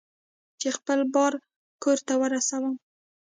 چې خپل بار کور ته ورسوم.